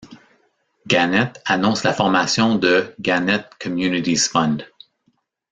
Gannett annonce la formation de Gannett Communities Fund.